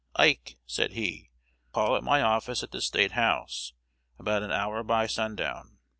"Ike," said he, "call at my office at the State House about an hour by sundown.